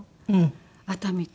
熱海とか。